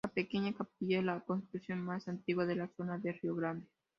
La pequeña Capilla, es la construcción más antigua de la zona de Río Grande.